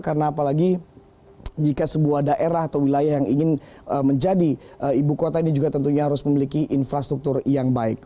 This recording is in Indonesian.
karena apalagi jika sebuah daerah atau wilayah yang ingin menjadi ibu kota ini juga tentunya harus memiliki infrastruktur yang baik